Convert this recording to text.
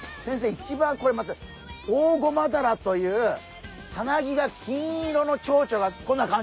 いちばんこれまたオオゴマダラというさなぎが金色のチョウチョがこんな感じ。